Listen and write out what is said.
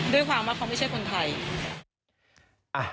ด้วยความว่าเขาไม่ใช่คนไทย